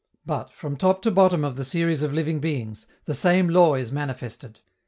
But, from top to bottom of the series of living beings, the same law is manifested.